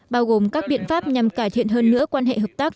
bao gồm các biện pháp nhằm cải thiện hơn nữa quan hệ hợp tác